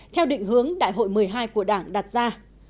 theo định hướng đại hội một mươi hai của đảng đặt ra